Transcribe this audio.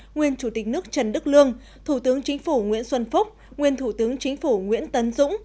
nguyên chủ tịch nước trần đức lương thủ tướng chính phủ nguyễn xuân phúc nguyên thủ tướng chính phủ nguyễn tấn dũng